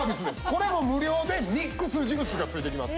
これも無料でミックスジュースが付いてきます。